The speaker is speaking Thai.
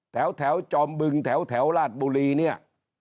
แถวจอมบึงแถวราชบุรีเนี่ย